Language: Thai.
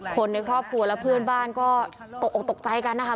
คนในครอบครัวและเพื่อนบ้านก็ตกออกตกใจกันนะคะ